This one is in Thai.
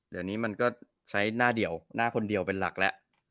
เดี๋ยวนี้มันก็ใช้หน้าเดียวหน้าคนเดียวเป็นหลักแล้ว